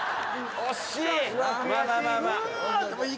惜しい！